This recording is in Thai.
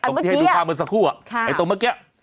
ตรงที่ให้ดูค่ะเหมือนสักครู่อะไอ้ตรงเมื่อกี้